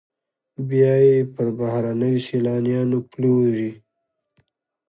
بیا یې پر بهرنیو سیلانیانو پلوري